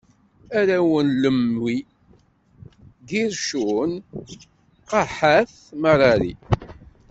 Arraw n Lewwi: Gircun, Qahat, Marari.